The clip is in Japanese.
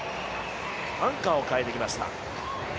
アンカーを変えてきました。